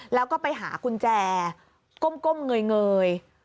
แล้วก็ไปหากุญแจก้มเงย